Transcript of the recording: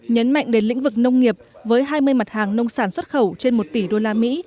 nhấn mạnh đến lĩnh vực nông nghiệp với hai mươi mặt hàng nông sản xuất khẩu trên một tỷ đô la mỹ